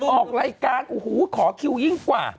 ออกรายการขอคิวยิ่งกว่า